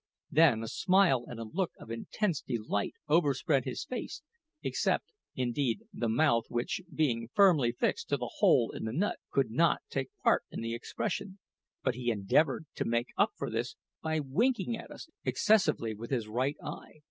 Then a smile and a look of intense delight overspread his face, except, indeed, the mouth, which, being firmly fixed to the hole in the nut, could not take part in the expression; but he endeavoured to make up for this by winking at us excessively with his right eye.